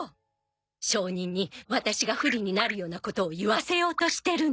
証人にワタシが不利になるようなことを言わせようとしてるの。